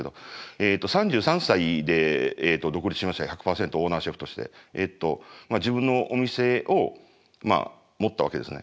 えっと３３歳で独立しまして１００％オーナーシェフとして自分のお店を持ったわけですね。